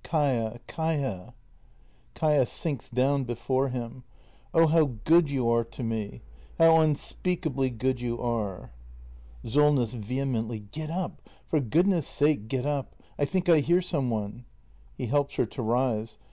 ] Kaia — Kaia! Kaia. [Sinks down before him.] Oh, how good you are to me! How unspeakably good you are! Solness. {Vehemently.] Get up! For goodness' sake get up! I think I hear some one! [He helps her to rise.